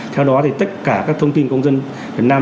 theo đó thì tất cả các thông tin công dân việt nam